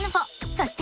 そして。